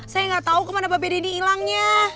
saya enggak tahu ke mana mbak bede ini hilangnya